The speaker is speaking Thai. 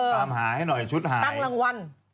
ตามหาให้หน่อยชุดหาตั้งรางวัล